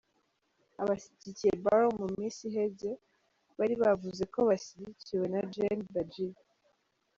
Abashigikiye Barrow mu misi iheze bari bavuze ko bashigikiwe na Gen Badjie.